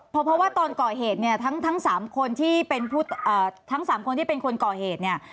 เพราะว่าตอนก่อเหตุเนี่ยทั้ง๓คนที่เป็นคนก่อเหตุเนี่ย